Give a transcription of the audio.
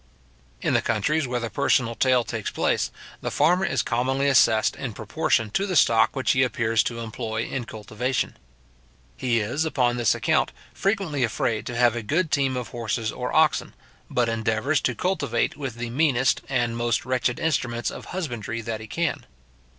In the countries where the personal taille takes place, the farmer is commonly assessed in proportion to the stock which he appears to employ in cultivation. He is, upon this account, frequently afraid to have a good team of horses or oxen, but endeavours to cultivate with the meanest and most wretched instruments of husbandry that he can.